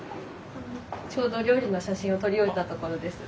ちょうど料理の写真を撮り終えたところです。